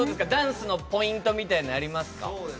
ダンスのポイントみたいなのありますか？